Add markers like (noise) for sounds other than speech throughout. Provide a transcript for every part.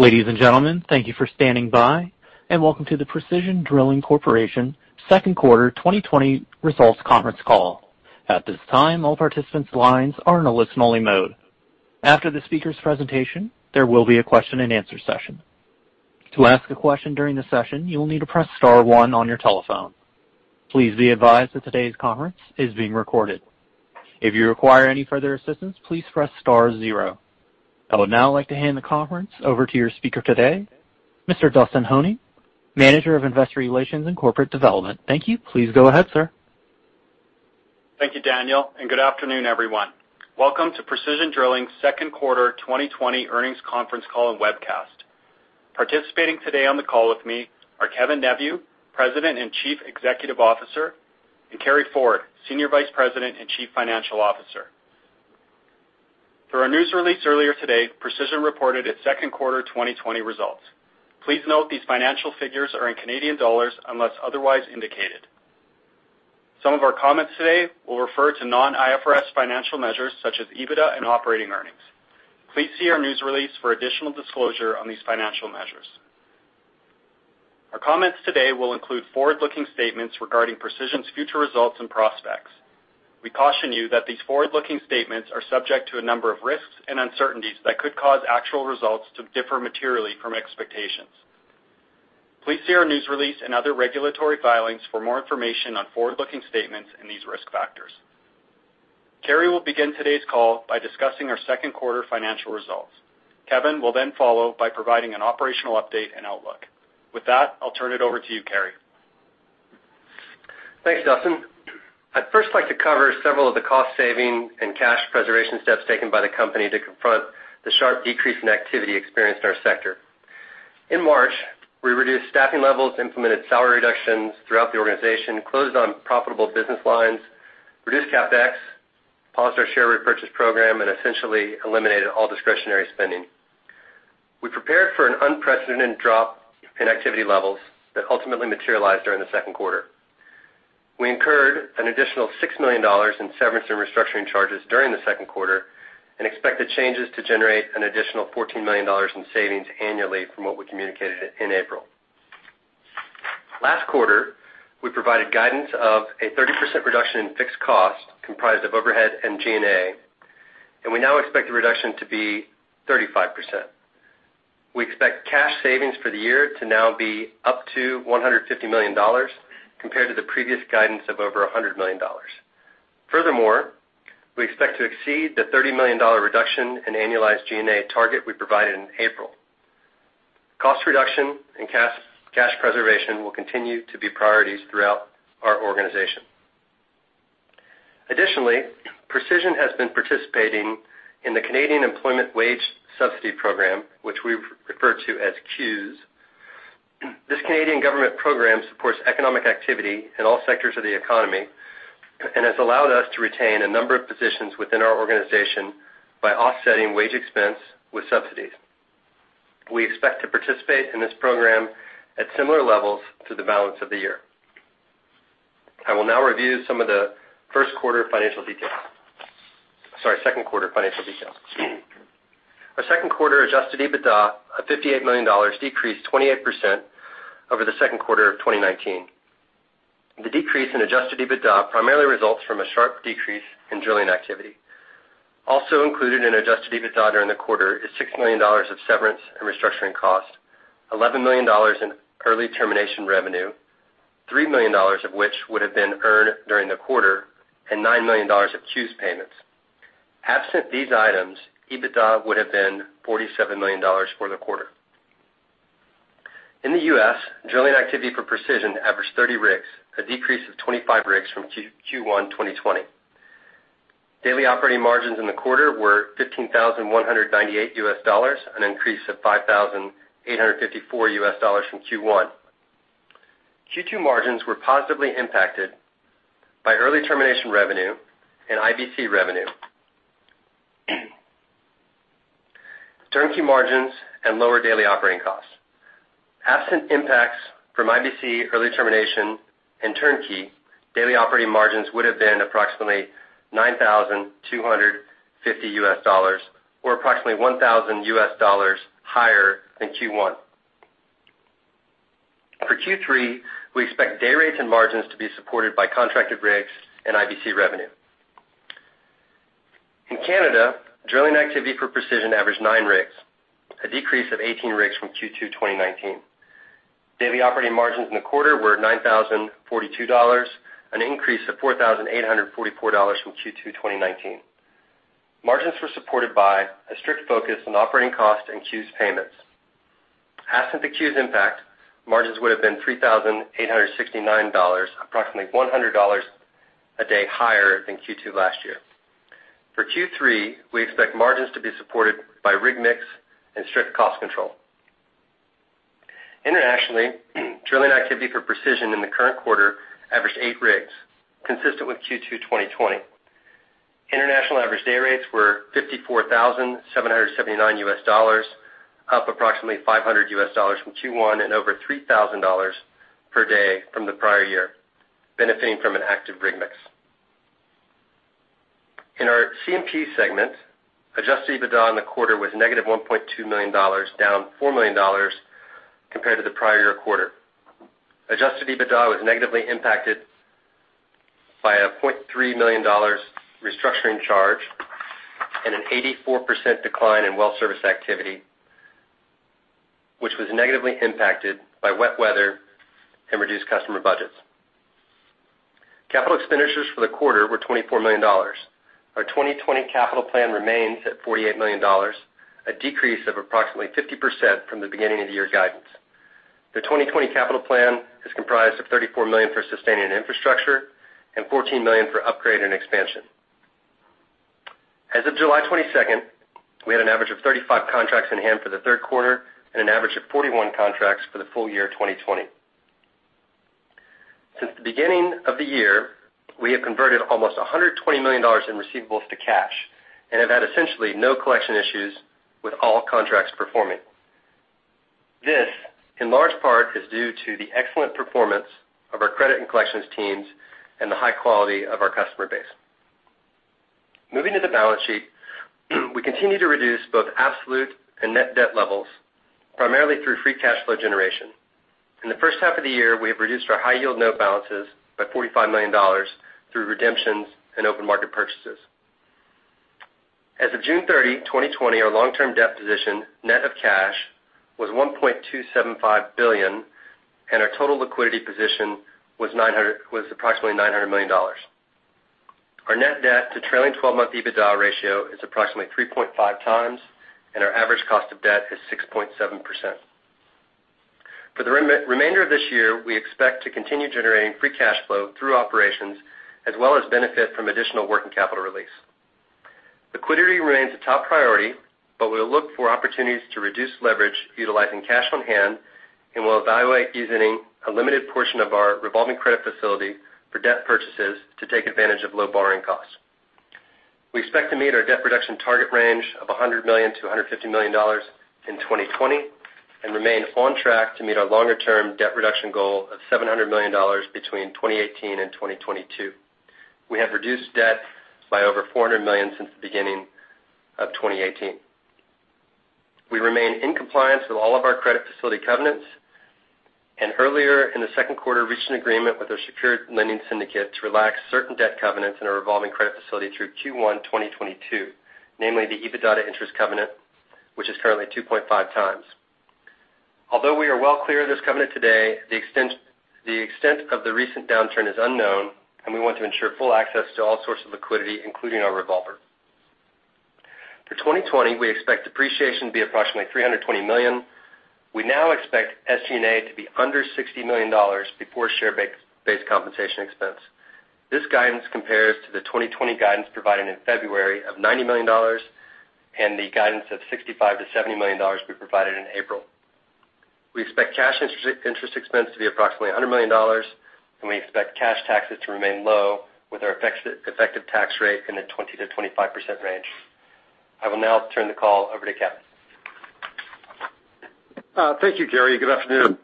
Ladies and gentlemen, thank you for standing by, and welcome to the Precision Drilling Corporation Second Quarter 2020 Results Conference Call. At this time, all participants' lines are in a listen-only mode. After the speaker's presentation, there will be a question and answer session. To ask a question during the session, you will need to press star one on your telephone. Please be advised that today's conference is being recorded. If you require any further assistance, please press star zero. I would now like to hand the conference over to your speaker today, Mr. Dustin Honing, Manager of Investor Relations and Corporate Development. Thank you. Please go ahead, sir. Thank you, Daniel. Good afternoon, everyone. Welcome to Precision Drilling second quarter 2020 earnings conference call and webcast. Participating today on the call with me are Kevin Neveu, President and Chief Executive Officer, and Carey Ford, Senior Vice President and Chief Financial Officer. Through our news release earlier today, Precision reported its second quarter 2020 results. Please note these financial figures are in Canadian dollars unless otherwise indicated. Some of our comments today will refer to non-IFRS financial measures such as EBITDA and operating earnings. Please see our news release for additional disclosure on these financial measures. Our comments today will include forward-looking statements regarding Precision's future results and prospects. We caution you that these forward-looking statements are subject to a number of risks and uncertainties that could cause actual results to differ materially from expectations. Please see our news release and other regulatory filings for more information on forward-looking statements and these risk factors. Carey will begin today's call by discussing our second quarter financial results. Kevin will then follow by providing an operational update and outlook. With that, I'll turn it over to you, Carey Ford. Thanks, Dustin. I'd first like to cover several of the cost saving and cash preservation steps taken by the company to confront the sharp decrease in activity experienced in our sector. In March, we reduced staffing levels, implemented salary reductions throughout the organization, closed unprofitable business lines, reduced CapEx, paused our share repurchase program, and essentially eliminated all discretionary spending. We prepared for an unprecedented drop in activity levels that ultimately materialized during the second quarter. We incurred an additional 6 million dollars in severance and restructuring charges during the second quarter and expect the changes to generate an additional 14 million dollars in savings annually from what we communicated in April. Last quarter, we provided guidance of a 30% reduction in fixed cost comprised of overhead and G&A, and we now expect the reduction to be 35%. We expect cash savings for the year to now be up to 150 million dollars compared to the previous guidance of over 100 million dollars. Furthermore, we expect to exceed the 30 million dollar reduction in annualized G&A target we provided in April. Cost reduction and cash preservation will continue to be priorities throughout our organization. Additionally, Precision has been participating in the Canada Emergency Wage Subsidy program, which we refer to as CEWS. This Canadian government program supports economic activity in all sectors of the economy and has allowed us to retain a number of positions within our organization by offsetting wage expense with subsidies. We expect to participate in this program at similar levels through the balance of the year. I will now review some of the first quarter financial details. Sorry, second quarter financial details. Our second quarter adjusted EBITDA of 58 million dollars decreased 28% over the second quarter of 2019. The decrease in adjusted EBITDA primarily results from a sharp decrease in drilling activity. Also included in adjusted EBITDA during the quarter is 6 million dollars of severance and restructuring costs, 11 million dollars in early termination revenue, 3 million dollars of which would have been earned during the quarter, and 9 million dollars of CEWS payments. Absent these items, EBITDA would have been 47 million dollars for the quarter. In the U.S., drilling activity for Precision averaged 30 rigs, a decrease of 25 rigs from Q1 2020. Daily operating margins in the quarter were $15,198, an increase of $5,854 from Q1. Q2 margins were positively impacted by early termination revenue and IBC revenue, turnkey margins, and lower daily operating costs. Absent impacts from IBC early termination and turnkey, daily operating margins would have been approximately $9,250 or approximately $1,000 higher than Q1. For Q3, we expect day rates and margins to be supported by contracted rigs and IBC revenue. In Canada, drilling activity for Precision averaged nine rigs, a decrease of 18 rigs from Q2 2019. Daily operating margins in the quarter were at 9,042 dollars, an increase of 4,844 dollars from Q2 2019. Margins were supported by a strict focus on operating costs and CEWS payments. Absent the CEWS impact, margins would have been 3,869 dollars, approximately 100 dollars a day higher than Q2 last year. For Q3, we expect margins to be supported by rig mix and strict cost control. Internationally, drilling activity for Precision in the current quarter averaged eight rigs, consistent with Q2 2020. International average day rates were $54,779, up approximately $500 from Q1 and over $3,000 per day from the prior year, benefiting from an active rig mix. In our C&P segment, adjusted EBITDA in the quarter was negative 1.2 million dollars, down 4 million dollars compared to the prior year quarter. Adjusted EBITDA was negatively impacted by a 0.3 million dollars restructuring charge and an 84% decline in well service activity, which was negatively impacted by wet weather and reduced customer budgets. Capital expenditures for the quarter were 24 million dollars. Our 2020 capital plan remains at 48 million dollars, a decrease of approximately 50% from the beginning of the year guidance. The 2020 capital plan is comprised of 34 million for sustaining infrastructure and 14 million for upgrade and expansion. As of July 22nd, we had an average of 35 contracts in hand for the third quarter and an average of 41 contracts for the full year 2020. Since the beginning of the year, we have converted almost 120 million dollars in receivables to cash and have had essentially no collection issues with all contracts performing. This, in large part, is due to the excellent performance of our credit and collections teams and the high quality of our customer base. Moving to the balance sheet, we continue to reduce both absolute and net debt levels primarily through free cash flow generation. In the first half of the year, we have reduced our high-yield note balances by 45 million dollars through redemptions and open market purchases. As of June 30, 2020, our long-term debt position, net of cash, was 1.275 billion, and our total liquidity position was approximately 900 million dollars. Our net debt to trailing 12-month EBITDA ratio is approximately 3.5x, and our average cost of debt is 6.7%. For the remainder of this year, we expect to continue generating free cash flow through operations as well as benefit from additional working capital release. Liquidity remains a top priority, but we'll look for opportunities to reduce leverage utilizing cash on hand, and we'll evaluate using a limited portion of our revolving credit facility for debt purchases to take advantage of low borrowing costs. We expect to meet our debt reduction target range of 100 million-150 million dollars in 2020 and remain on track to meet our longer-term debt reduction goal of 700 million dollars between 2018 and 2022. We have reduced debt by over 400 million since the beginning of 2018. We remain in compliance with all of our credit facility covenants and earlier in the second quarter, reached an agreement with our secured lending syndicate to relax certain debt covenants in our revolving credit facility through Q1 2022, namely the EBITDA to interest covenant, which is currently 2.5x. Although we are well clear of this covenant today, the extent of the recent downturn is unknown, and we want to ensure full access to all sorts of liquidity, including our revolver. For 2020, we expect depreciation to be approximately 320 million. We now expect SG&A to be under 60 million dollars before share-based compensation expense. This guidance compares to the 2020 guidance provided in February of 90 million dollars and the guidance of 65 million to 70 million dollars we provided in April. We expect cash interest expense to be approximately 100 million dollars, and we expect cash taxes to remain low with our effective tax rate in the 20%-25% range. I will now turn the call over to Kevin Neveu. Thank you, Carey. Good afternoon.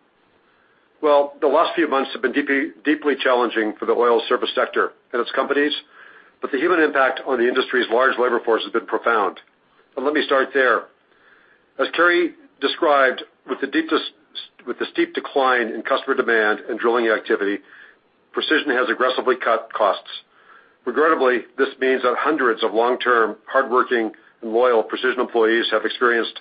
Well, the last few months have been deeply challenging for the oil service sector and its companies, but the human impact on the industry's large labor force has been profound. Let me start there. As Carey described, with the steep decline in customer demand and drilling activity, Precision has aggressively cut costs. Regrettably, this means that hundreds of long-term, hardworking and loyal Precision employees have experienced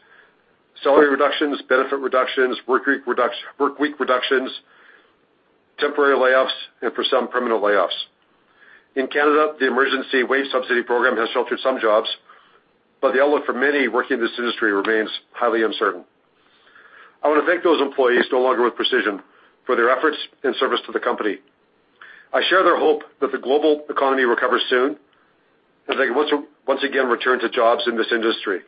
salary reductions, benefit reductions, work week reductions, temporary layoffs, and for some permanent layoffs. In Canada, the Emergency Wage Subsidy Program has sheltered some jobs, but the outlook for many working in this industry remains highly uncertain. I want to thank those employees no longer with Precision for their efforts and service to the company. I share their hope that the global economy recovers soon and they once again return to jobs in this industry.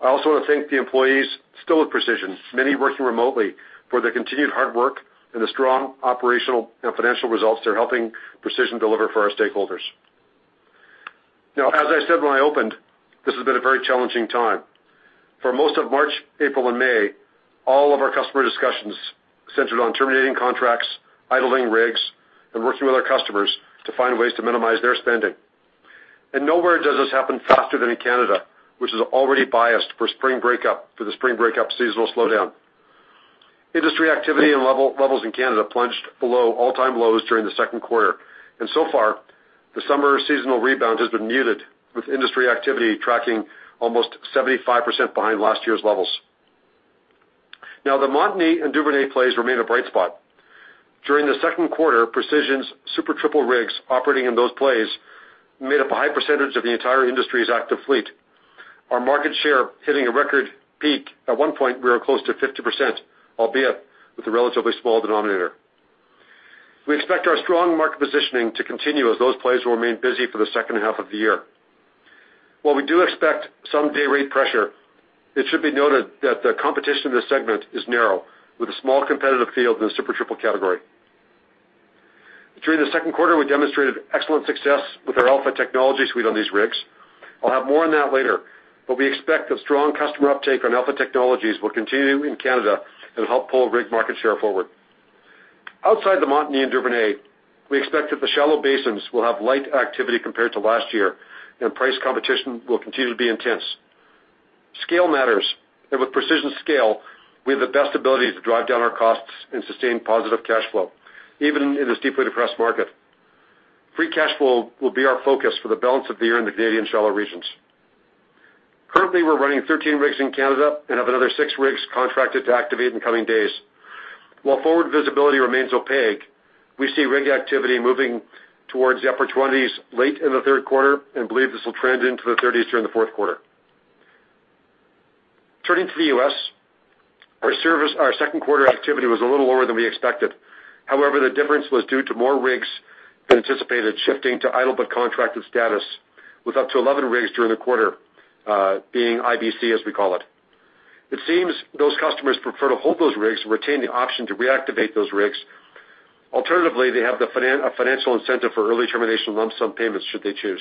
I also want to thank the employees still with Precision, many working remotely, for their continued hard work and the strong operational and financial results they're helping Precision deliver for our stakeholders. As I said when I opened, this has been a very challenging time. For most of March, April, and May, all of our customer discussions centered on terminating contracts, idling rigs, and working with our customers to find ways to minimize their spending. Nowhere does this happen faster than in Canada, which is already biased for the spring breakup seasonal slowdown. Industry activity and levels in Canada plunged below all-time lows during the second quarter, and so far, the summer seasonal rebound has been muted with industry activity tracking almost 75% behind last year's levels. The Montney and Duvernay plays remain a bright spot. During the second quarter, Precision's Super Triple rigs operating in those plays made up a high percentage of the entire industry's active fleet. Our market share hitting a record peak. At one point, we were close to 50%, albeit with a relatively small denominator. We expect our strong market positioning to continue as those plays will remain busy for the second half of the year. While we do expect some day rate pressure, it should be noted that the competition in this segment is narrow with a small competitive field in the Super Triple category. During the second quarter, we demonstrated excellent success with our Alpha technology suite on these rigs. I'll have more on that later, but we expect the strong customer uptake on Alpha technologies will continue in Canada and help pull rig market share forward. Outside the Montney and Duvernay, we expect that the shallow basins will have light activity compared to last year, and price competition will continue to be intense. Scale matters, and with Precision scale, we have the best ability to drive down our costs and sustain positive cash flow, even in this deeply depressed market. Free cash flow will be our focus for the balance of the year in the Canadian shallow regions. Currently, we're running 13 rigs in Canada and have another six rigs contracted to activate in coming days. While forward visibility remains opaque, we see rig activity moving towards the upper 20s late in the third quarter and believe this will trend into the 30s during the fourth quarter. Turning to the U.S., our second quarter activity was a little lower than we expected. The difference was due to more rigs than anticipated shifting to idle but contracted status with up to 11 rigs during the quarter being IBC, as we call it. It seems those customers prefer to hold those rigs and retain the option to reactivate those rigs. Alternatively, they have the financial incentive for early termination lump sum payments should they choose.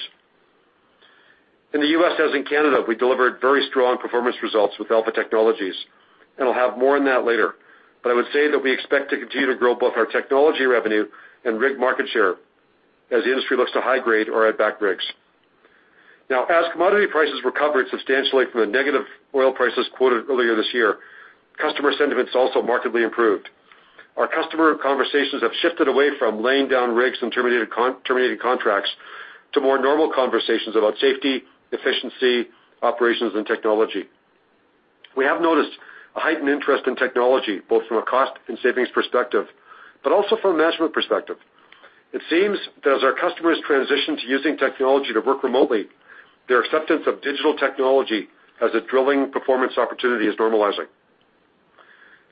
In the U.S. as in Canada, we delivered very strong performance results with Alpha Technologies. I'll have more on that later. I would say that we expect to continue to grow both our technology revenue and rig market share as the industry looks to high-grade or add back rigs. As commodity prices recovered substantially from the negative oil prices quoted earlier this year, customer sentiments also markedly improved. Our customer conversations have shifted away from laying down rigs and terminating contracts to more normal conversations about safety, efficiency, operations, and technology. We have noticed a heightened interest in technology, both from a cost and savings perspective, but also from a management perspective. It seems that as our customers transition to using technology to work remotely, their acceptance of digital technology as a drilling performance opportunity is normalizing.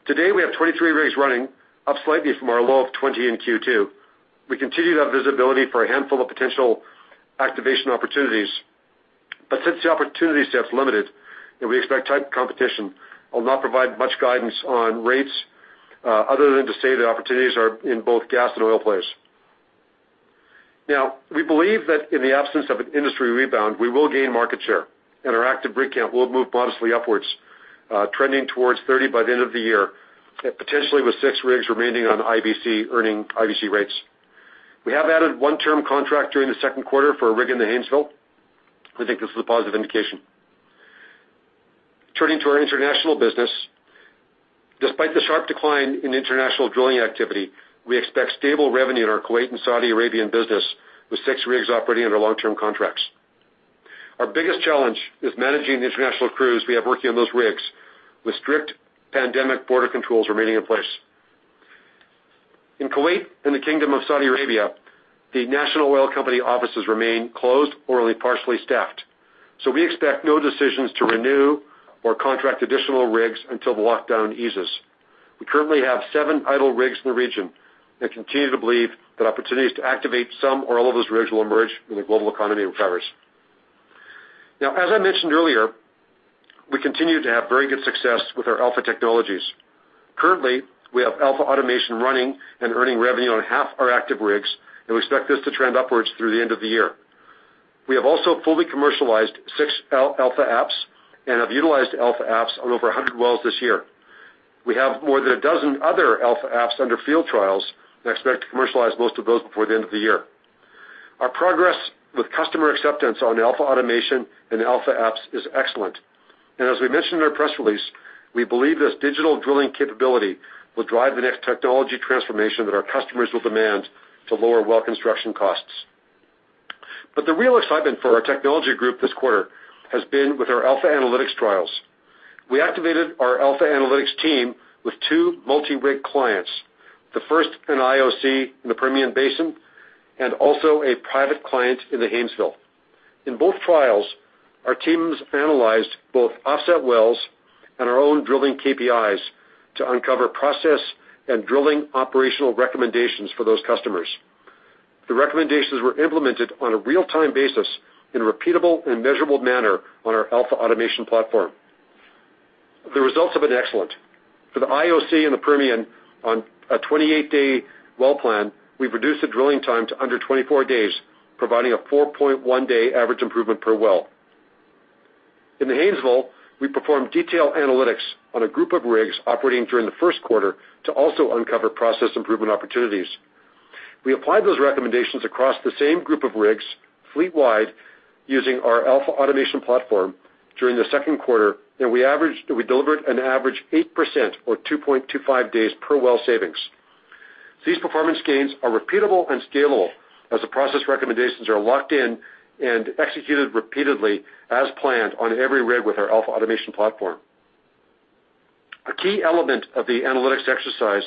Today, we have 23 rigs running, up slightly from our low of 20 in Q2. We continue to have visibility for a handful of potential activation opportunities, but since the opportunity set is limited and we expect tight competition, I'll not provide much guidance on rates other than to say the opportunities are in both gas and oil plays. We believe that in the absence of an industry rebound, we will gain market share, and our active rig count will move modestly upwards, trending towards 30 by the end of the year, and potentially with six rigs remaining on IBC, earning IBC rates. We have added one term contract during the second quarter for a rig in the Haynesville. We think this is a positive indication. Turning to our international business. Despite the sharp decline in international drilling activity, we expect stable revenue in our Kuwait and Saudi Arabian business with 6 rigs operating under long-term contracts. Our biggest challenge is managing the international crews we have working on those rigs with strict pandemic border controls remaining in place. In Kuwait and the Kingdom of Saudi Arabia, the national oil company offices remain closed or only partially staffed. We expect no decisions to renew or contract additional rigs until the lockdown eases. We currently have seven idle rigs in the region and continue to believe that opportunities to activate some or all of those rigs will emerge when the global economy recovers. As I mentioned earlier, we continue to have very good success with our Alpha Technologies. Currently, we have Alpha Automation running and earning revenue on half our active rigs, and we expect this to trend upwards through the end of the year. We have also fully commercialized six Alpha Apps and have utilized Alpha Apps on over 100 wells this year. We have more than a dozen other Alpha Apps under field trials and expect to commercialize most of those before the end of the year. Our progress with customer acceptance on Alpha Automation and Alpha Apps is excellent. As we mentioned in our press release, we believe this digital drilling capability will drive the next technology transformation that our customers will demand to lower well construction costs. The real excitement for our technology group this quarter has been with our AlphaAnalytics trials. We activated our AlphaAnalytics team with two multi-rig clients, the first an international oil company in the Permian Basin and also a private client in the Haynesville. In both trials, our teams analyzed both offset wells and our own drilling key performance indicators to uncover process and drilling operational recommendations for those customers. The recommendations were implemented on a real-time basis in a repeatable and measurable manner on our AlphaAutomation platform. The results have been excellent. For the IOC in the Permian on a 28-day well plan, we've reduced the drilling time to under 24 days, providing a 4.1-day average improvement per well. In the Haynesville, we performed detailed analytics on a group of rigs operating during the first quarter to also uncover process improvement opportunities. We applied those recommendations across the same group of rigs fleet-wide using our AlphaAutomation platform during the second quarter, and we delivered an average 8% or 2.25 days per well savings. These performance gains are repeatable and scalable as the process recommendations are locked in and executed repeatedly as planned on every rig with our AlphaAutomation platform. A key element of the analytics exercise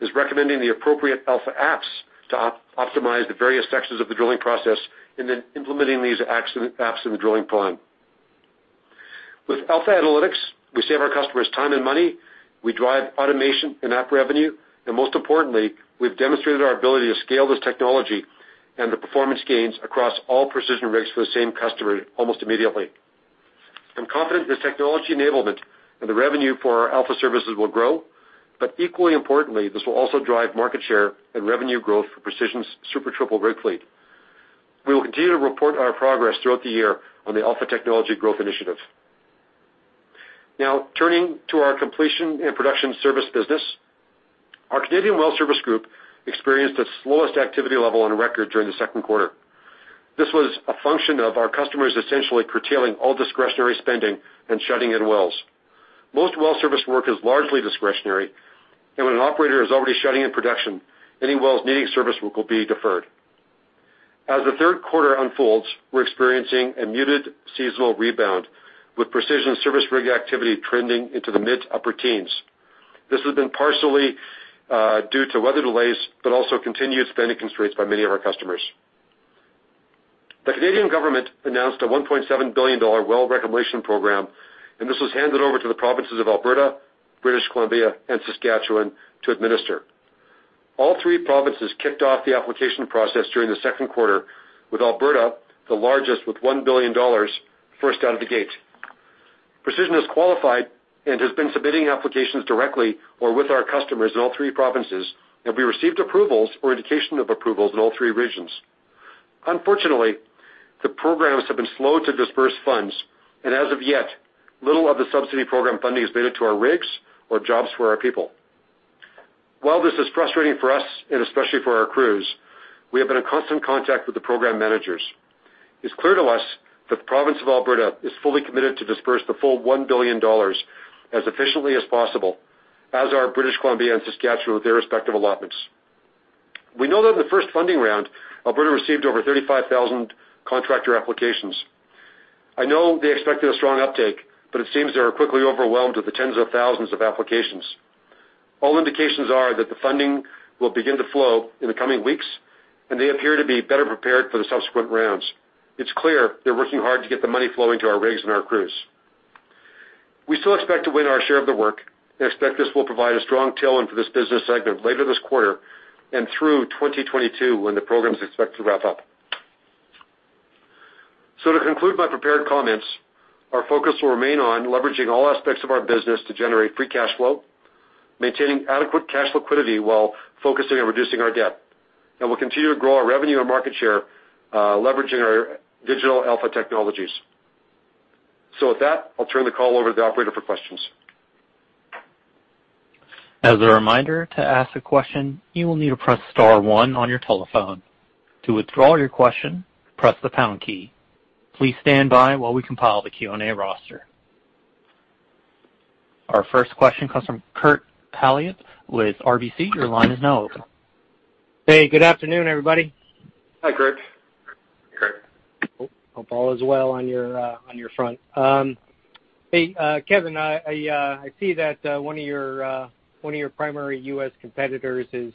is recommending the appropriate AlphaApps to optimize the various sections of the drilling process and then implementing these apps in the drilling plan. With AlphaAnalytics, we save our customers time and money, we drive automation and app revenue, and most importantly, we've demonstrated our ability to scale this technology and the performance gains across all Precision rigs for the same customer almost immediately. I'm confident this technology enablement and the revenue for our Alpha services will grow, but equally importantly, this will also drive market share and revenue growth for Precision's Super Triple rig fleet. We will continue to report our progress throughout the year on the Alpha Technology Growth Initiative. Now, turning to our Completion and Production Services business. Our Canadian well service group experienced its slowest activity level on record during the second quarter. This was a function of our customers essentially curtailing all discretionary spending and shutting in wells. Most well service work is largely discretionary, and when an operator is already shutting in production, any wells needing service work will be deferred. As the third quarter unfolds, we're experiencing a muted seasonal rebound with Precision service rig activity trending into the mid upper teens. This has been partially due to weather delays, but also continued spending constraints by many of our customers. The Canadian government announced a 1.7 billion dollar well reclamation program, and this was handed over to the provinces of Alberta, British Columbia and Saskatchewan to administer. All three provinces kicked off the application process during the second quarter, with Alberta, the largest with 1 billion dollars, first out of the gate. Precision is qualified and has been submitting applications directly or with our customers in all three provinces, and we received approvals or indication of approvals in all three regions. Unfortunately, the programs have been slow to disperse funds. As of yet, little of the subsidy program funding has made it to our rigs or jobs for our people. While this is frustrating for us and especially for our crews, we have been in constant contact with the program managers. It's clear to us that the province of Alberta is fully committed to disperse the full 1 billion dollars as efficiently as possible, as are British Columbia and Saskatchewan with their respective allotments. We know that in the first funding round, Alberta received over 35,000 contractor applications. I know they expected a strong uptake. It seems they were quickly overwhelmed with the tens of thousands of applications. All indications are that the funding will begin to flow in the coming weeks. They appear to be better prepared for the subsequent rounds. It's clear they're working hard to get the money flowing to our rigs and our crews. We still expect to win our share of the work and expect this will provide a strong tailwind for this business segment later this quarter and through 2022, when the program's expected to wrap up. To conclude my prepared comments, our focus will remain on leveraging all aspects of our business to generate free cash flow, maintaining adequate cash liquidity while focusing on reducing our debt. We'll continue to grow our revenue and market share, leveraging our digital Alpha technologies. With that, I'll turn the call over to the operator for questions. As a reminder, to ask a question, you will need to press star one on your telephone. To withdraw your question, press the pound key. Please stand by while we compile the Q&A roster. Our first question comes from Keith MacKey with RBC Capital Markets. Your line is now open. Hey, good afternoon, everybody. Hi, Keith. Hope all is well on your front. Hey, Kevin, I see that one of your primary U.S. competitors is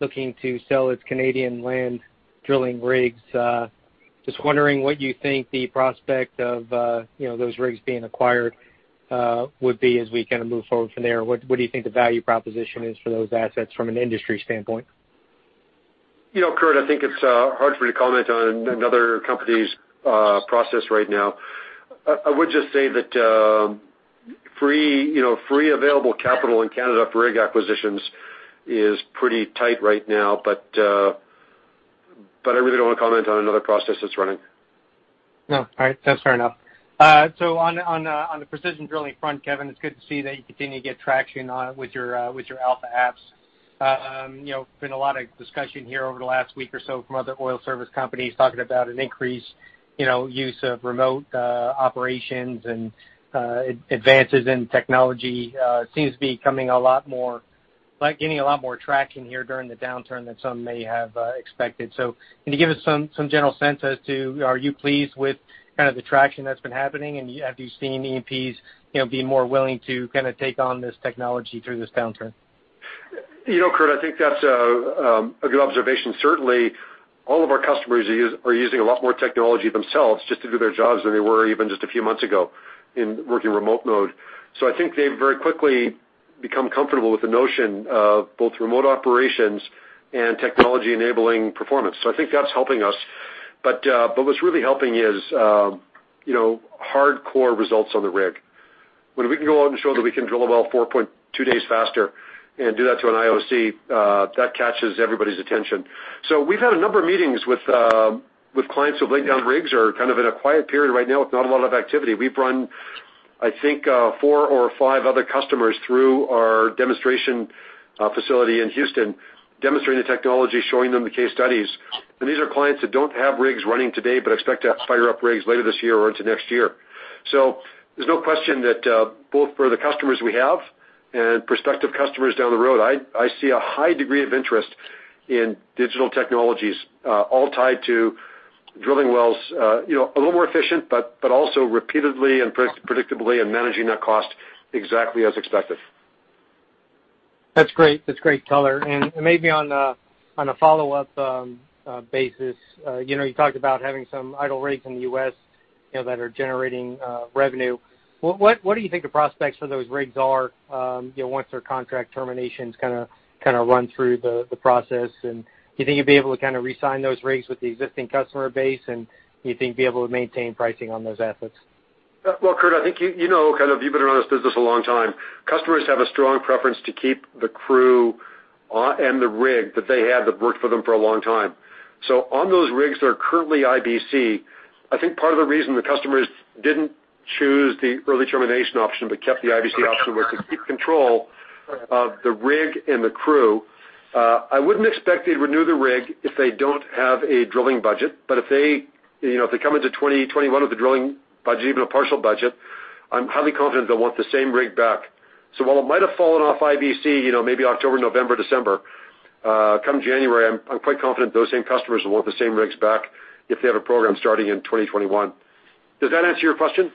looking to sell its Canadian land drilling rigs. Just wondering what you think the prospect of those rigs being acquired would be as we move forward from there. What do you think the value proposition is for those assets from an industry standpoint? Keith, I think it's hard for me to comment on another company's process right now. I would just say that free available capital in Canada for rig acquisitions is pretty tight right now. I really don't want to comment on another process that's running. No. All right. That's fair enough. On the Precision Drilling front, Kevin, it's good to see that you continue to get traction on it with your AlphaApps. Been a lot of discussion here over the last week or so from other oil service companies talking about an increased use of remote operations and advances in technology. Seems to be getting a lot more traction here during the downturn than some may have expected. Can you give us some general sense as to, are you pleased with the traction that's been happening? Have you seen E&Ps be more willing to take on this technology through this downturn? Keith, I think that's a good observation. Certainly, all of our customers are using a lot more technology themselves just to do their jobs than they were even just a few months ago in working remote mode. I think they've very quickly become comfortable with the notion of both remote operations and technology enabling performance. I think that's helping us. What's really helping is hardcore results on the rig. When we can go out and show that we can drill a well 4.2 days faster and do that to an IOC, that catches everybody's attention. We've had a number of meetings with clients who have laid down rigs are in a quiet period right now with not a lot of activity. We've run, I think, four or five other customers through our demonstration facility in Houston, demonstrating the technology, showing them the case studies. These are clients that don't have rigs running today, but expect to have to fire up rigs later this year or into next year. There's no question that both for the customers we have and prospective customers down the road, I see a high degree of interest in digital technologies all tied to drilling wells a little more efficient, but also repeatedly and predictably and managing that cost exactly as expected. That's great color. Maybe on a follow-up basis, you talked about having some idle rigs in the U.S. that are generating revenue. What do you think the prospects for those rigs are once their contract terminations run through the process? Do you think you'd be able to re-sign those rigs with the existing customer base? Do you think you'd be able to maintain pricing on those assets? Keith, I think you know, you've been around this business a long time. Customers have a strong preference to keep the crew and the rig that they have that worked for them for a long time. On those rigs that are currently IBC, I think part of the reason the customers didn't choose the early termination option but kept the IBC option was to keep control of the rig and the crew. I wouldn't expect they'd renew the rig if they don't have a drilling budget. If they come into 2021 with a drilling budget, even a partial budget, I'm highly confident they'll want the same rig back. While it might have fallen off IBC, maybe October, November, December, come January, I'm quite confident those same customers will want the same rigs back if they have a program starting in 2021. Does that answer your question?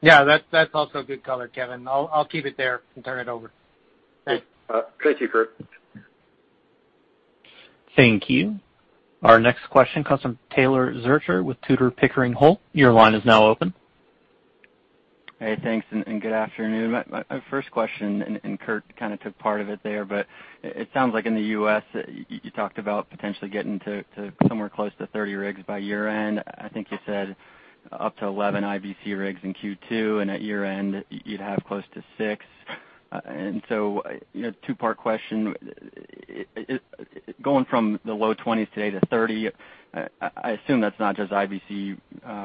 Yeah, that's also a good color, Kevin. I'll keep it there and turn it over. Thanks. Thank you, Keith. Thank you. Our next question comes from Taylor Zurcher with Tudor, Pickering, Holt. Your line is now open. Hey, thanks. Good afternoon. My first question. Keith kind of took part of it there, it sounds like in the U.S. you talked about potentially getting to somewhere close to 30 rigs by year-end. I think you said up to 11 IBC rigs in Q2, at year-end you'd have close to six. Two-part question. Going from the low 20s today to 30, I assume that's not just IBC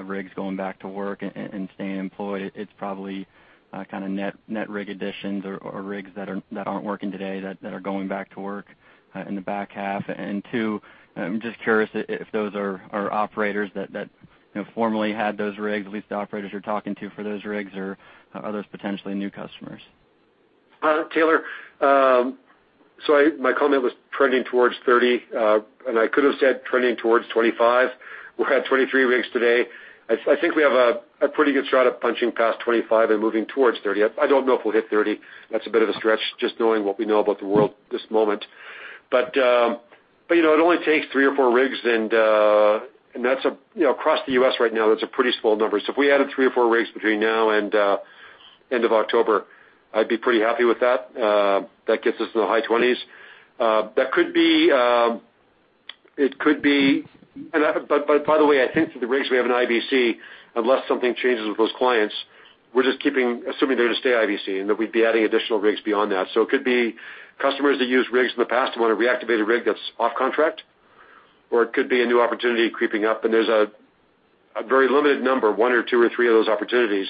rigs going back to work and staying employed. It's probably net rig additions or rigs that aren't working today that are going back to work in the back half. Two, I'm just curious if those are operators that formerly had those rigs, at least the operators you're talking to for those rigs, or are those potentially new customers? Taylor, my comment was trending towards 30, and I could've said trending towards 25. We're at 23 rigs today. I think we have a pretty good shot at punching past 25 and moving towards 30. I don't know if we'll hit 30. That's a bit of a stretch, just knowing what we know about the world this moment. It only takes three or four rigs, and across the U.S. right now, that's a pretty small number. If we added three or four rigs between now and end of October, I'd be pretty happy with that. That gets us to the high 20s. By the way, I think for the rigs we have in IBC, unless something changes with those clients, we're just assuming they're going to stay IBC and that we'd be adding additional rigs beyond that. It could be customers that used rigs in the past and want to reactivate a rig that's off contract, or it could be a new opportunity creeping up, and there's a very limited number, one or two or three of those opportunities.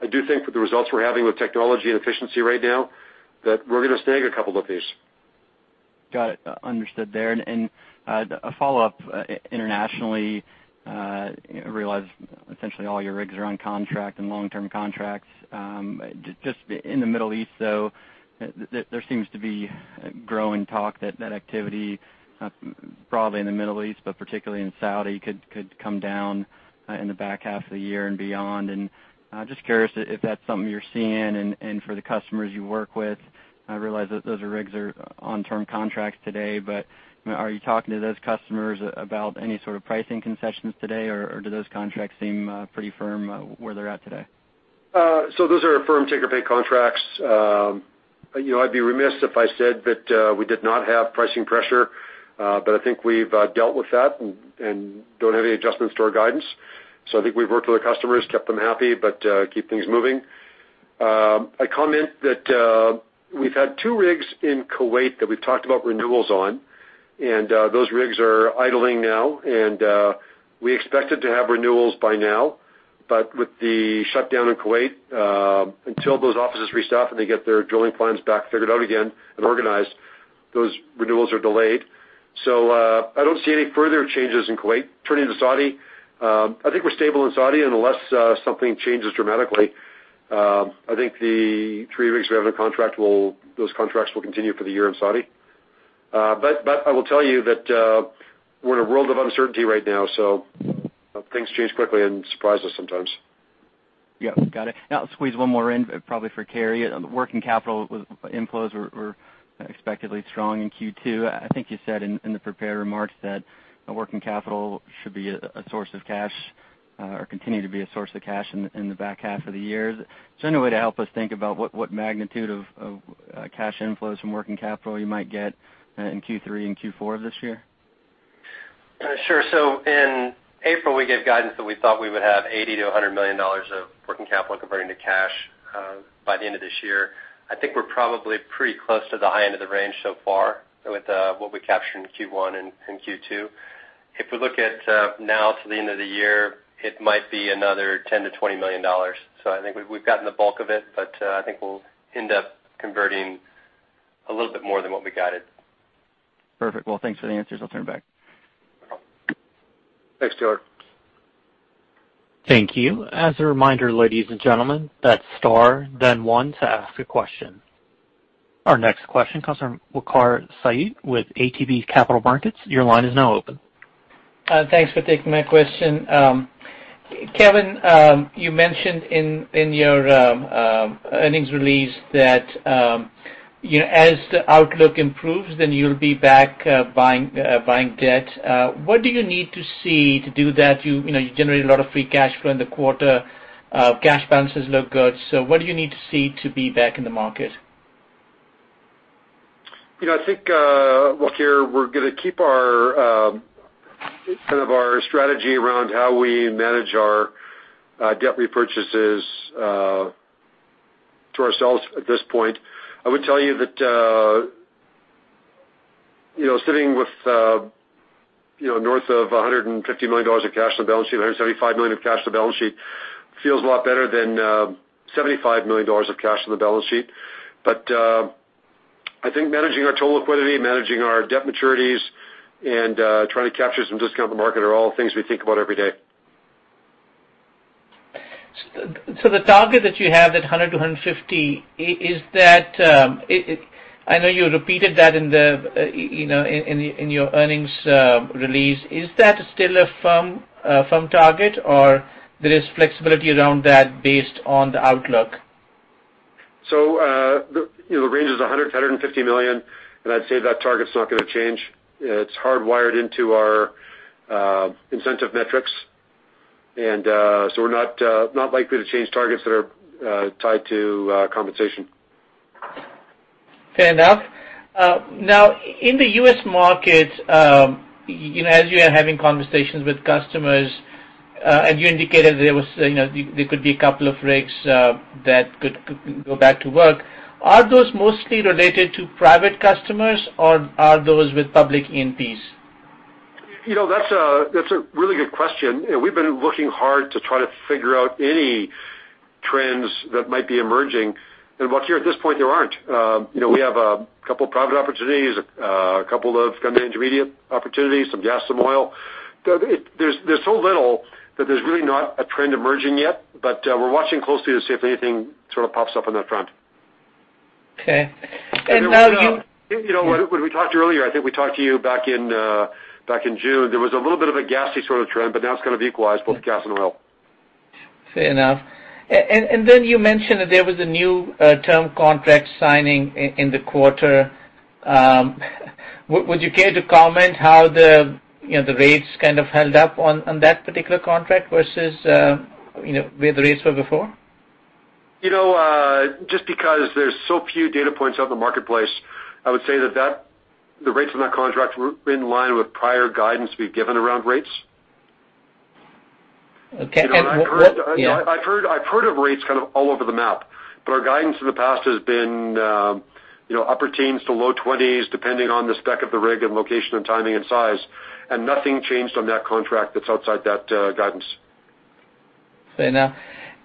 I do think with the results we're having with technology and efficiency right now, that we're going to snag a couple of these. Got it. Understood there. A follow-up internationally, I realize essentially all your rigs are on contract and long-term contracts. Just in the Middle East, though, there seems to be growing talk that activity, broadly in the Middle East, but particularly in Saudi, could come down in the back half of the year and beyond. Just curious if that's something you're seeing and for the customers you work with. I realize that those rigs are on term contracts today, but are you talking to those customers about any sort of pricing concessions today, or do those contracts seem pretty firm where they're at today? Those are firm take-or-pay contracts. I'd be remiss if I said that we did not have pricing pressure. I think we've dealt with that and don't have any adjustments to our guidance. I think we've worked with our customers, kept them happy, but keep things moving. I comment that we've had two rigs in Kuwait that we've talked about renewals on, and those rigs are idling now, and we expected to have renewals by now. With the shutdown in Kuwait, until those offices restaff and they get their drilling plans back figured out again and organized, those renewals are delayed. I don't see any further changes in Kuwait. Turning to Saudi, I think we're stable in Saudi unless something changes dramatically. I think the three rigs we have in contract, those contracts will continue for the year in Saudi. I will tell you that we're in a world of uncertainty right now, so things change quickly and surprise us sometimes. Yeah. Got it. I'll squeeze one more in, probably for Carey. Working capital inflows were expectedly strong in Q2. I think you said in the prepared remarks that working capital should be a source of cash or continue to be a source of cash in the back half of the year. Is there any way to help us think about what magnitude of cash inflows from working capital you might get in Q3 and Q4 of this year? Sure. In April, we gave guidance that we thought we would have 80 million-100 million dollars of working capital converting to cash by the end of this year. I think we're probably pretty close to the high end of the range so far with what we captured in Q1 and Q2. If we look at now to the end of the year, it might be another 10 million-20 million dollars. I think we've gotten the bulk of it, but I think we'll end up converting a little bit more than what we guided. Perfect. Well, thanks for the answers. I'll turn it back. Thanks, Taylor. Thank you. As a reminder, ladies and gentlemen, that's star then one to ask a question. Our next question comes from Waqar Syed with ATB Capital Markets. Your line is now open. Thanks for taking my question. Kevin, you mentioned in your earnings release that as the outlook improves, then you'll be back buying debt. What do you need to see to do that? You generated a lot of free cash flow in the quarter. Cash balances look good. What do you need to see to be back in the market? I think, Waqar, we're going to keep our kind of our strategy around how we manage our debt repurchases to ourselves at this point. I would tell you that sitting with north of 150 million dollars of cash on the balance sheet, 175 million of cash on the balance sheet feels a lot better than 75 million dollars of cash on the balance sheet. I think managing our total liquidity, managing our debt maturities, and trying to capture some discount on the market are all things we think about every day. The target that you have at 100 million-150 million, I know you repeated that in your earnings release. Is that still a firm target, or there is flexibility around that based on the outlook? The range is 100 million-150 million, and I'd say that target's not going to change. It's hardwired into our incentive metrics. We're not likely to change targets that are tied to compensation. Fair enough. In the U.S. market, as you are having conversations with customers, and you indicated there could be a couple of rigs that could go back to work, are those mostly related to private customers, or are those with public E&Ps? That's a really good question. We've been looking hard to try to figure out any trends that might be emerging. Waqar, at this point, there aren't. We have a couple of private opportunities, a couple of kind of intermediate opportunities, some gas, some oil. There's so little that there's really not a trend emerging yet. We're watching closely to see if anything sort of pops up on that front. Okay. When we talked earlier, I think we talked to you back in June, there was a little bit of a gassy sort of trend, but now it's kind of equalized both gas and oil. Fair enough. Then you mentioned that there was a new term contract signing in the quarter. Would you care to comment how the rates kind of held up on that particular contract versus where the rates were before? Just because there's so few data points out in the marketplace, I would say that the rates on that contract were in line with prior guidance we've given around rates. Okay. I've heard of rates kind of all over the map, but our guidance in the past has been upper teens to low 20s, depending on the specification of the rig and location and timing and size, and nothing changed on that contract that's outside that guidance. Fair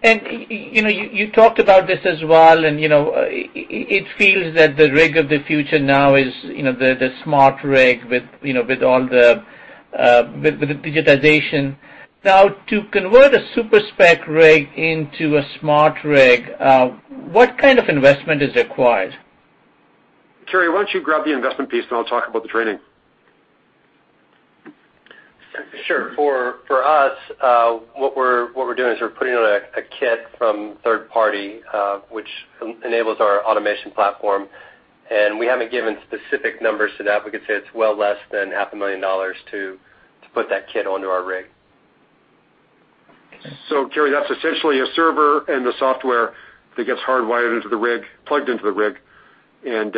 enough. You talked about this as well, and it feels that the rig of the future now is the smart rig with the digitization. Now to convert a Super-Specification rig into a smart rig, what kind of investment is required? Carey, why don't you grab the investment piece, and I'll talk about the training. Sure. For us, what we're doing is we're putting on a kit from third party, which enables our automation platform. We haven't given specific numbers to that. We could say it's well less than 0.5 million dollars to put that kit onto our rig. Carey, that's essentially a server and the software that gets hardwired into the rig, plugged into the rig. Then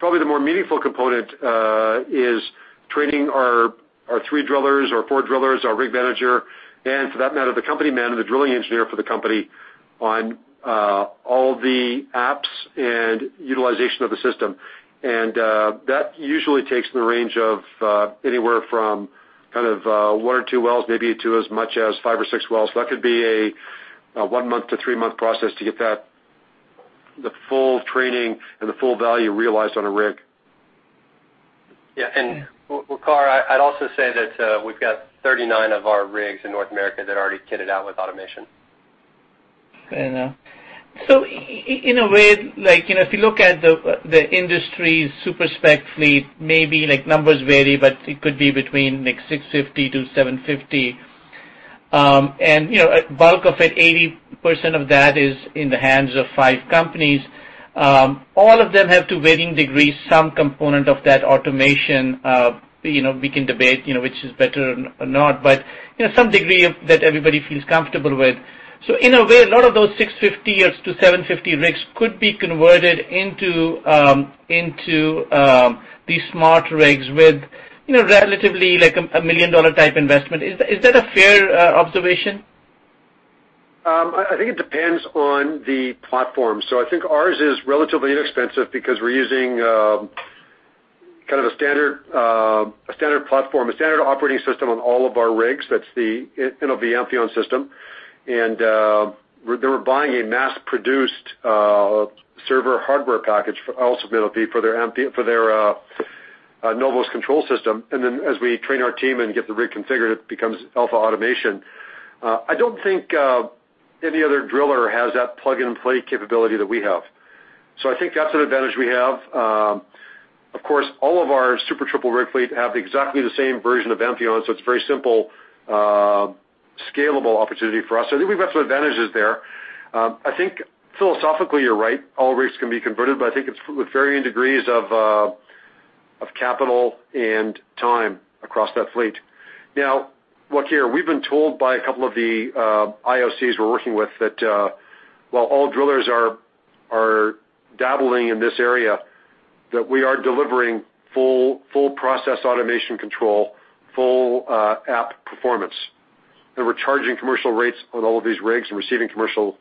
probably the more meaningful component is training our three drillers, our four drillers, our rig manager, and for that matter, the company man and the drilling engineer for the company on all the apps and utilization of the system. That usually takes in the range of anywhere from kind of one or two wells, maybe to as much as five or six wells. That could be a one-month to three-month process to get the full training and the full value realized on a rig. Yeah. Waqar, I'd also say that we've got 39 of our rigs in North America that are already kitted out with automation. Fair enough. In a way, if you look at the industry's Super-Spec fleet, maybe numbers vary, but it could be between like 650-750. Bulk of it, 80% of that is in the hands of five companies. All of them have to varying degrees, some component of that automation. We can debate which is better or not, some degree of that everybody feels comfortable with. In a way, a lot of those 650-750 rigs could be converted into these smart rigs with relatively like a million-dollar type investment. Is that a fair observation? I think it depends on the platform. I think ours is relatively inexpensive because we're using kind of a standard platform, a standard operating system on all of our rigs. That's the National Oilwell Varco Amphion system. They were buying a mass-produced server hardware package, also for NOV, for their NOVOS control system. As we train our team and get the rig configured, it becomes AlphaAutomation. I don't think any other driller has that plug-and-play capability that we have. I think that's an advantage we have. Of course, all of our Super Triple rig fleet have exactly the same version of Amphion, so it's very simple, scalable opportunity for us. I think we've got some advantages there. I think philosophically you're right. All rigs can be converted, but I think it's with varying degrees of capital and time across that fleet. Waqar, we've been told by a couple of the IOCs we're working with that while all drillers are dabbling in this area, that we are delivering full process automation control, full app performance. We're charging commercial rates on all of these rigs and receiving commercial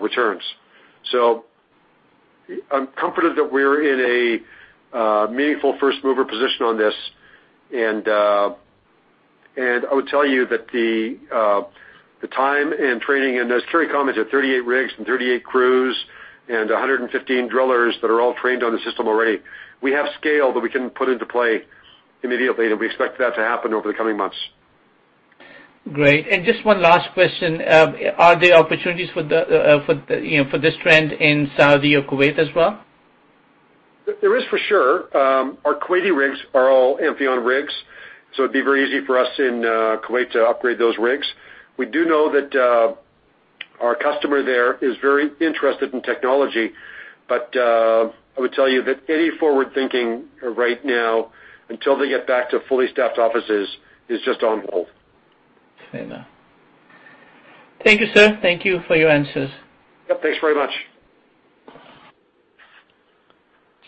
returns. I'm comforted that we're in a meaningful first-mover position on this. I would tell you that the time and training, and as Carey commented, 39 rigs and 38 crews and 115 drillers that are all trained on the system already. We have scale that we can put into play immediately, and we expect that to happen over the coming months. Great, just one last question, are there opportunities for this trend in Saudi or Kuwait as well? There is for sure. Our Kuwaiti rigs are all Amphion rigs, so it'd be very easy for us in Kuwait to upgrade those rigs. We do know that our customer there is very interested in technology. I would tell you that any forward thinking right now, until they get back to fully staffed offices, is just on hold. Fair enough. Thank you, sir. Thank you for your answers. Yep. Thanks very much.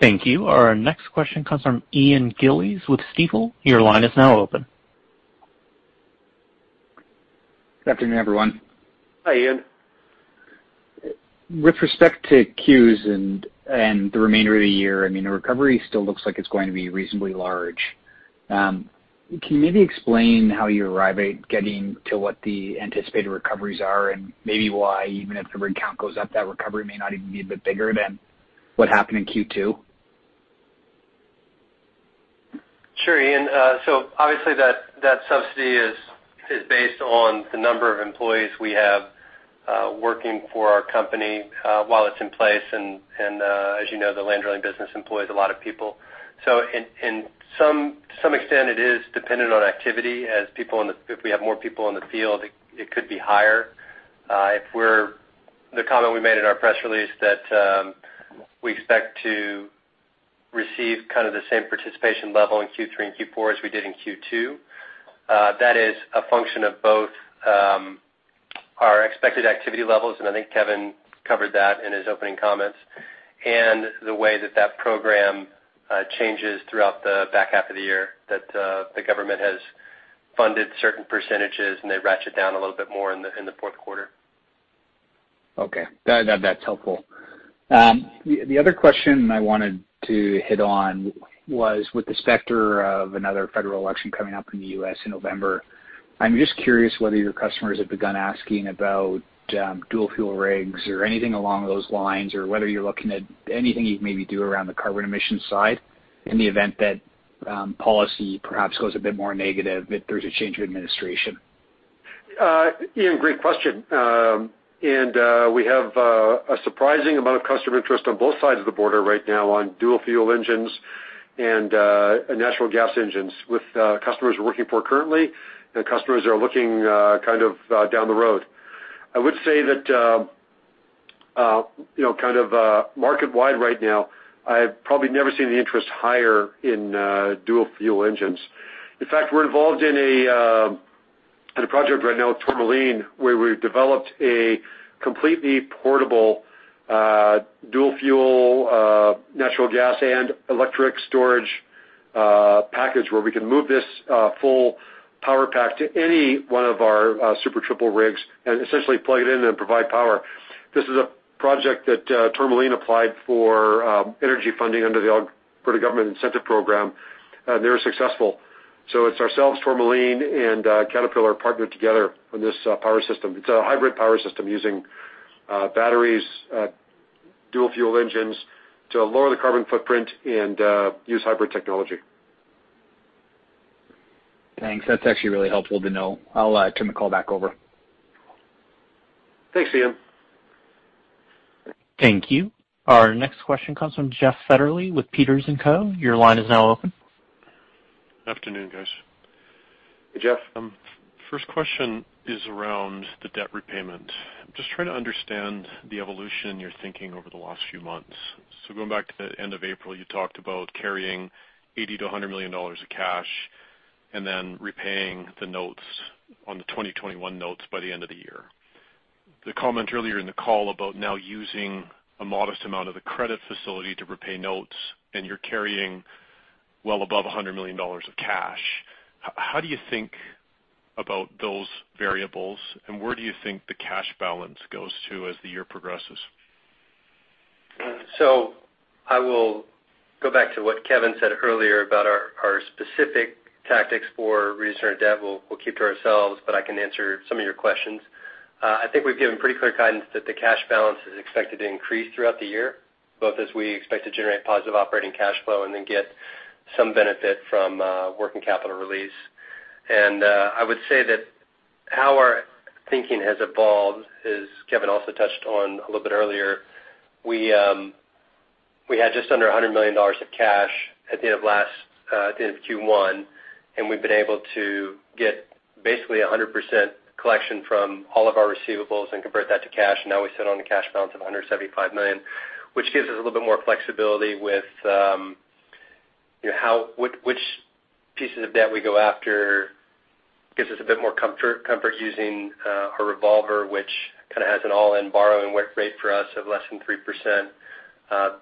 Thank you. Our next question comes from Ian Gillies with Stifel. Your line is now open. Good afternoon, everyone. Hi, Ian. With respect to CEWS and the remainder of the year, I mean, the recovery still looks like it's going to be reasonably large. Can you maybe explain how you arrive at getting to what the anticipated recoveries are and maybe why, even if the rig count goes up, that recovery may not even be a bit bigger than what happened in Q2? Sure, Ian. Obviously that subsidy is based on the number of employees we have working for our company while it's in place, and as you know, the land drilling business employs a lot of people. To some extent, it is dependent on activity. If we have more people in the field, it could be higher. The comment we made in our press release that we expect to receive kind of the same participation level in Q3 and Q4 as we did in Q2. That is a function of both our expected activity levels, and I think Kevin covered that in his opening comments, and the way that that program changes throughout the back half of the year, that the government has funded certain percentages, and they ratchet down a little bit more in the fourth quarter. Okay. That's helpful. The other question I wanted to hit on was with the specter of another federal election coming up in the U.S. in November, I'm just curious whether your customers have begun asking about dual-fuel rigs or anything along those lines, or whether you're looking at anything you'd maybe do around the carbon emission side in the event that policy perhaps goes a bit more negative if there's a change of administration. Ian, great question. We have a surprising amount of customer interest on both sides of the border right now on dual-fuel engines and natural gas engines with customers we're working for currently and customers that are looking kind of down the road. I would say that kind of market-wide right now, I've probably never seen the interest higher in dual-fuel engines. In fact, we're involved in a project right now with Tourmaline, where we've developed a completely portable dual-fuel natural gas and electric storage package where we can move this full power pack to any one of our Super Triple rigs and essentially plug it in and provide power. This is a project that Tourmaline applied for energy funding under the Alberta Government incentive program, and they were successful. It's ourselves, Tourmaline, and Caterpillar partnered together on this power system. It's a hybrid power system using batteries, dual-fuel engines to lower the carbon footprint and use hybrid technology. Thanks. That's actually really helpful to know. I'll turn the call back over. Thanks, Ian. Thank you. Our next question comes from Jeff Fetterly with Peters & Co. Your line is now open. Afternoon, guys. Hey, Jeff. First question is around the debt repayment. Just trying to understand the evolution in your thinking over the last few months. Going back to the end of April, you talked about carrying 80 million-100 million dollars of cash and then repaying the notes on the 2021 notes by the end of the year. The comment earlier in the call about now using a modest amount of the credit facility to repay notes, and you're carrying well above 100 million dollars of cash. How do you think about those variables, and where do you think the cash balance goes to as the year progresses? I will go back to what Kevin said earlier about our specific tactics for returning debt we'll keep to ourselves, but I can answer some of your questions. I think we've given pretty clear guidance that the cash balance is expected to increase throughout the year, both as we expect to generate positive operating cash flow and then get some benefit from working capital release. I would say that how our thinking has evolved is, Kevin also touched on a little bit earlier, we had just under 100 million dollars of cash at the end of Q1, and we've been able to get basically 100% collection from all of our receivables and convert that to cash. We sit on a cash balance of 175 million, which gives us a little bit more flexibility with pieces of debt we go after, gives us a bit more comfort using our revolver, which has an all-in borrowing rate for us of less than 3%.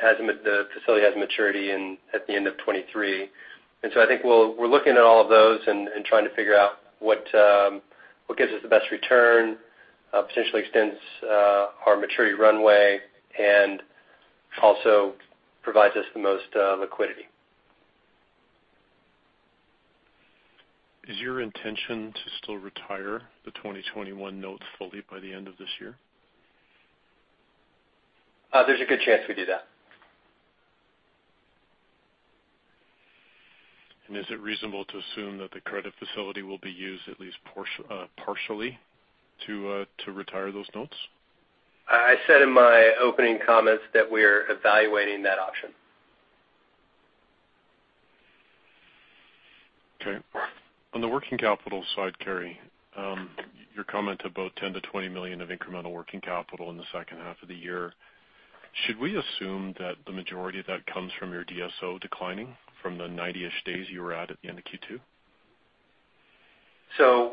The facility has maturity at the end of 2023. I think we're looking at all of those and trying to figure out what gives us the best return, potentially extends our maturity runway, and also provides us the most liquidity. Is your intention to still retire the 2021 notes fully by the end of this year? There's a good chance we do that. Is it reasonable to assume that the credit facility will be used at least partially to retire those notes? I said in my opening comments that we're evaluating that option. Okay. On the working capital side, Carey, your comment about 10 million-20 million of incremental working capital in the second half of the year, should we assume that the majority of that comes from your DSO declining from the 90-ish days you were at the end of Q2?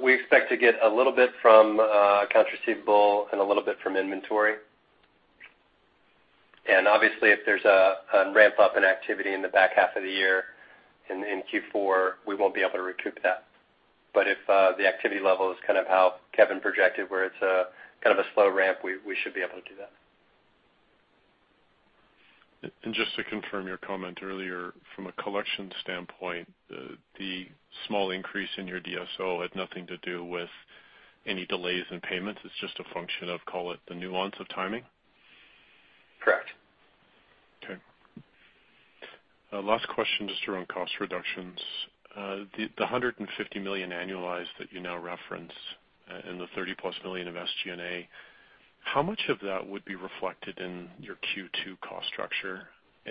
We expect to get a little bit from accounts receivable and a little bit from inventory. Obviously if there's a ramp-up in activity in the back half of the year in Q4, we won't be able to recoup that. If the activity level is kind of how Kevin projected, where it's a slow ramp, we should be able to do that. Just to confirm your comment earlier, from a collection standpoint, the small increase in your DSO had nothing to do with any delays in payments. It's just a function of, call it, the nuance of timing? Correct. Okay. Last question, just around cost reductions. The 150 million annualized that you now reference and the 30+ million of SG&A, how much of that would be reflected in your Q2 cost structure?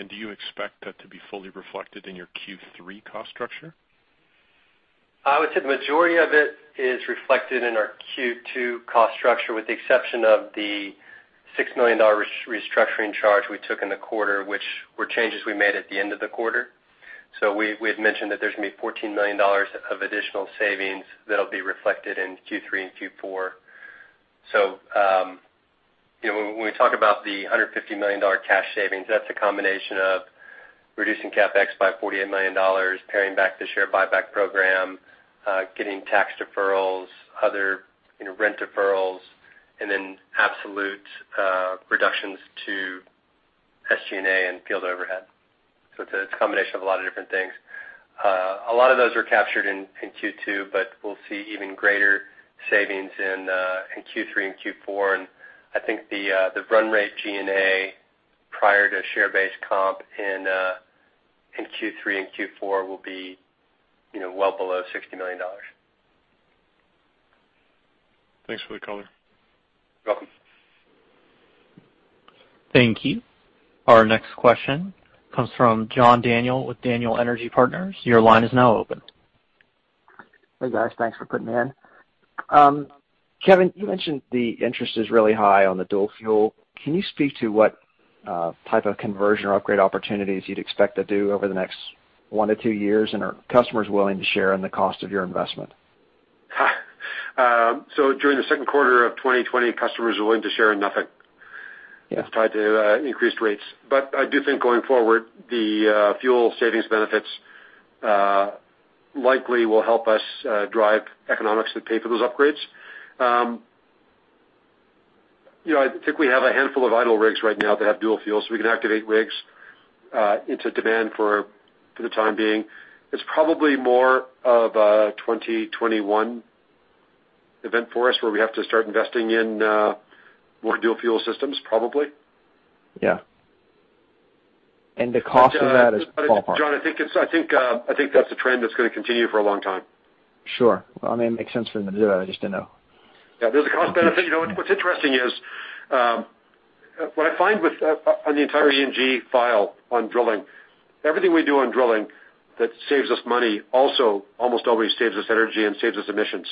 Do you expect that to be fully reflected in your Q3 cost structure? I would say the majority of it is reflected in our Q2 cost structure, with the exception of the 6 million dollar restructuring charge we took in the quarter, which were changes we made at the end of the quarter. We had mentioned that there's going to be 14 million dollars of additional savings that'll be reflected in Q3 and Q4. When we talk about the 150 million dollar cash savings, that's a combination of reducing CapEx by 48 million dollars, paring back the share buyback program, getting tax deferrals, other rent deferrals, and then absolute reductions to SG&A and field overhead. It's a combination of a lot of different things. A lot of those are captured in Q2, but we'll see even greater savings in Q3 and Q4. I think the run rate G&A prior to share-based comp in Q3 and Q4 will be well below 60 million dollars. Thanks for the color. You're welcome. Thank you. Our next question comes from John Daniel with Daniel Energy Partners. Your line is now open. Hey, guys. Thanks for putting me in. Kevin, you mentioned the interest is really high on the dual-fuel. Can you speak to what type of conversion or upgrade opportunities you'd expect to do over the next one to two years, and are customers willing to share in the cost of your investment? During the second quarter of 2020, customers are willing to share nothing. Yeah. Aside to increased rates. I do think going forward, the fuel savings benefits likely will help us drive economics that pay for those upgrades. I think we have a handful of idle rigs right now that have dual-fuel, so we can activate rigs into demand for the time being. It's probably more of a 2021 event for us, where we have to start investing in more dual-fuel systems, probably. Yeah. The cost of that is ballpark? John, I think that's a trend that's going to continue for a long time. Sure. Well, I mean, it makes sense for them to do that. I just didn't know. There's a cost benefit. What's interesting is, what I find on the entire environmental, social, and governance file on drilling, everything we do on drilling that saves us money also almost always saves us energy and saves us emissions.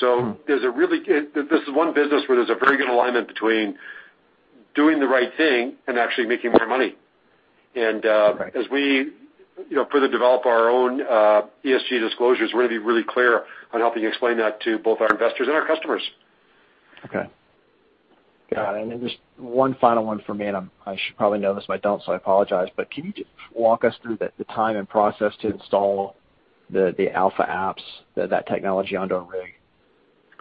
This is one business where there's a very good alignment between doing the right thing and actually making more money. As we further develop our own ESG disclosures, we're going to be really clear on helping explain that to both our investors and our customers. Okay. Got it. Just one final one for me, and I should probably know this, but I don't, so I apologize. Can you just walk us through the time and process to install the AlphaApps, that technology onto a rig,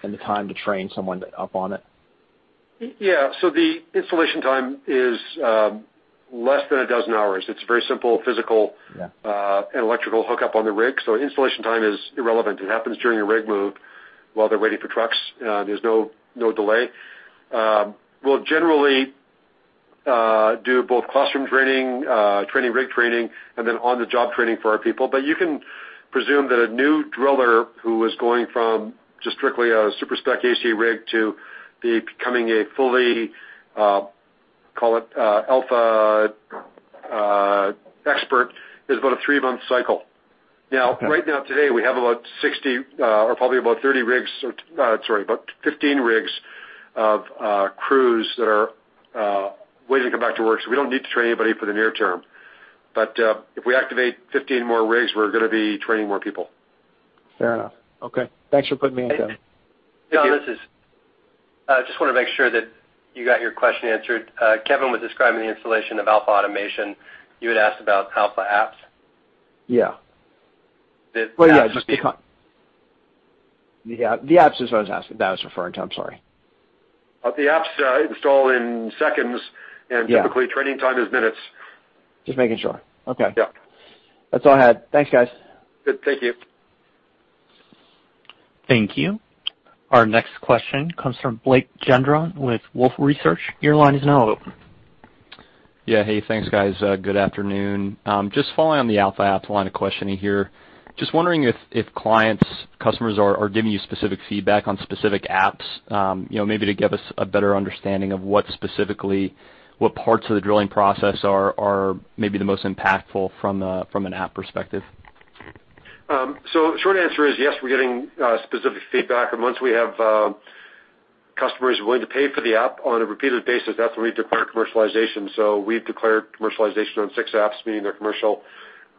and the time to train someone up on it? Yeah. The installation time is less than a dozen hours. It's a very simple physical-electrical hookup on the rig, installation time is irrelevant. It happens during a rig move while they're waiting for trucks. There's no delay. We'll generally do both classroom rig training, and then on-the-job training for our people. You can presume that a new driller who is going from just strictly a Super-Spec AC rig to becoming a fully, call it Alpha expert, is about a three-month cycle. Right now, today, we have about 60 or probably about 15 rigs of crews that are waiting to come back to work. We don't need to train anybody for the near term. If we activate 15 more rigs, we're gonna be training more people. Fair enough. Okay. Thanks for putting me in queue. John, I just want to make sure that you got your question answered. Kevin was describing the installation of AlphaAutomation. You had asked about AlphaApps? Yeah. The apps. (crosstalk) Well, yeah, just the Apps is what I was referring to. I'm sorry. The apps install in seconds. Yeah. Typically, training time is minutes. Just making sure. Okay. Yeah. That's all I had. Thanks, guys. Good. Thank you. Thank you. Our next question comes from Blake Gendron with Wolfe Research. Your line is now open. Hey, thanks, guys. Good afternoon. Just following on the AlphaApps line of questioning here. Just wondering if clients, customers are giving you specific feedback on specific apps, maybe to give us a better understanding of what parts of the drilling process are maybe the most impactful from an app perspective. Short answer is yes, we're getting specific feedback. Once we have customers willing to pay for the app on a repeated basis, that's when we declare commercialization. We've declared commercialization on six apps, meaning they're commercial,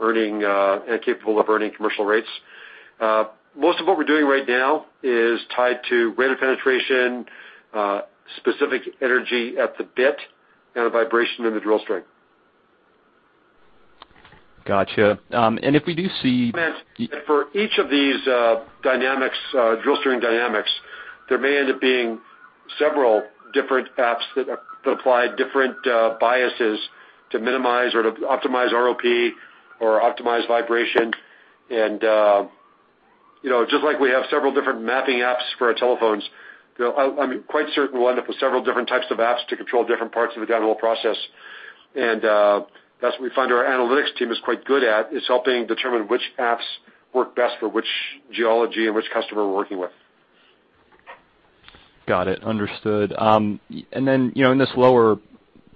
and capable of earning commercial rates. Most of what we're doing right now is tied to rate of penetration, specific energy at the bit, and vibration in the drill string. Got you. For each of these drill string dynamics, there may end up being several different apps that apply different biases to minimize or to optimize rate of penetration or optimize vibration. Just like we have several different mapping apps for our telephones, I'm quite certain we'll end up with several different types of apps to control different parts of the down-hole process. That's what we find our analytics team is quite good at, is helping determine which apps work best for which geology and which customer we're working with. Got it. Understood. Then, in this lower,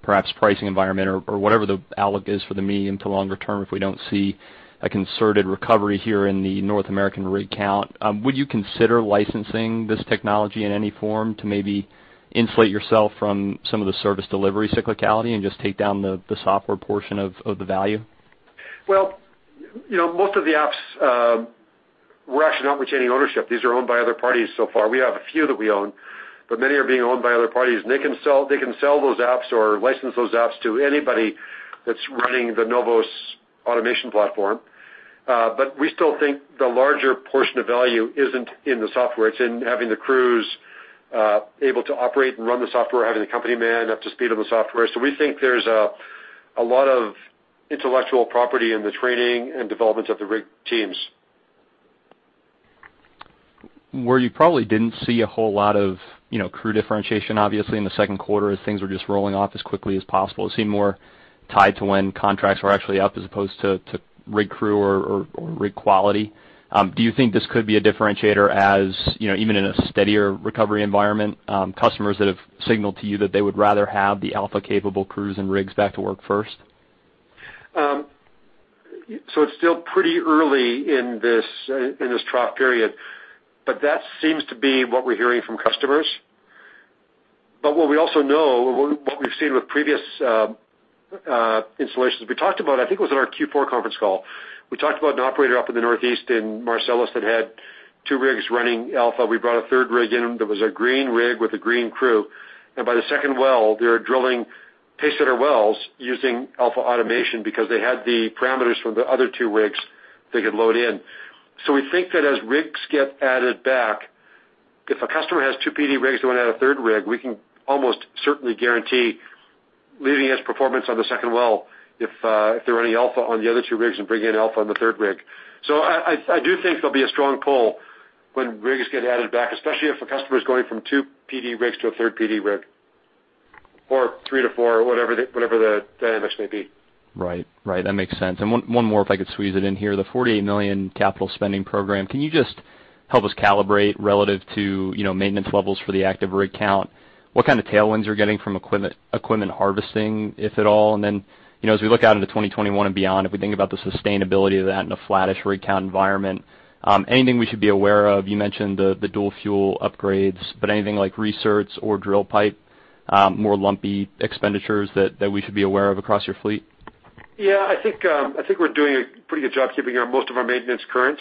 perhaps pricing environment or whatever the outlook is for the medium to longer term, if we don't see a concerted recovery here in the North American rig count, would you consider licensing this technology in any form to maybe insulate yourself from some of the service delivery cyclicality and just take down the software portion of the value? Well, most of the apps, we're actually not retaining ownership. These are owned by other parties so far. We have a few that we own, but many are being owned by other parties, and they can sell those apps or license those apps to anybody that's running the NOVOS automation platform. We still think the larger portion of value isn't in the software. It's in having the crews able to operate and run the software, having the company man up to speed on the software. We think there's a lot of intellectual property in the training and development of the rig teams. Where you probably didn't see a whole lot of crew differentiation, obviously, in the second quarter as things were just rolling off as quickly as possible. It seemed more tied to when contracts were actually up as opposed to rig crew or rig quality. Do you think this could be a differentiator as even in a steadier recovery environment, customers that have signaled to you that they would rather have the Alpha-capable crews and rigs back to work first? It's still pretty early in this trough period, but that seems to be what we're hearing from customers. What we also know, what we've seen with previous installations, we talked about, I think it was in our Q4 conference call. We talked about an operator up in the Northeast in Marcellus that had two rigs running Alpha. We brought a third rig in. There was a green rig with a green crew. By the second well, they were drilling pace-setter wells using AlphaAutomation because they had the parameters from the other two rigs they could load in. We think that as rigs get added back, if a customer has two PD rigs, they want to add a third rig, we can almost certainly guarantee leading his performance on the second well if they're running Alpha on the other two rigs and bring in Alpha on the third rig. I do think there'll be a strong pull when rigs get added back, especially if a customer is going from two PD rigs to a third PD rig, or three to four, or whatever the dynamics may be. Right. That makes sense. One more, if I could squeeze it in here, the 48 million capital spending program, can you just help us calibrate relative to maintenance levels for the active rig count? What kind of tailwinds are you getting from equipment harvesting, if at all? As we look out into 2021 and beyond, if we think about the sustainability of that in a flattish rig count environment, anything we should be aware of? You mentioned the dual-fuel upgrades, anything like recertifications or drill pipe, more lumpy expenditures that we should be aware of across your fleet? Yeah, I think we're doing a pretty good job keeping most of our maintenance current.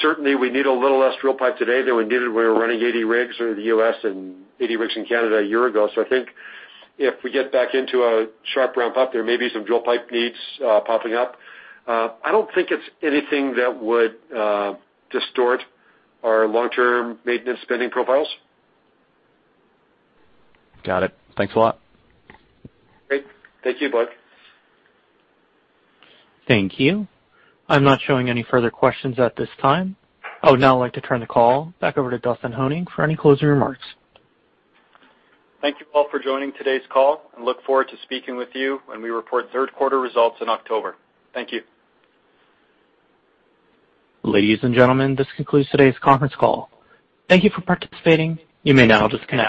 Certainly, we need a little less drill pipe today than we needed when we were running 80 rigs in the U.S. and 80 rigs in Canada a year ago. I think if we get back into a sharp ramp-up, there may be some drill pipe needs popping up. I don't think it's anything that would distort our long-term maintenance spending profiles. Got it. Thanks a lot. Great. Thank you, Blake. Thank you. I'm not showing any further questions at this time. I would now like to turn the call back over to Dustin Honing for any closing remarks. Thank you all for joining today's call. Look forward to speaking with you when we report third quarter results in October. Thank you. Ladies and gentlemen, this concludes today's conference call. Thank you for participating. You may now disconnect.